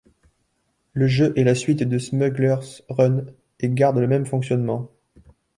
Le jeu est la suite de Smuggler's Run et garde le même fonctionnement.